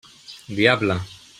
Diable!